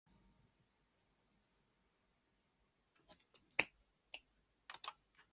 They will both be given the chance to use tools.